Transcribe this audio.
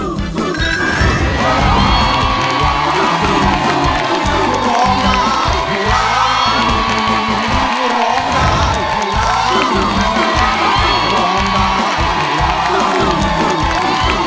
สูงสุดถึง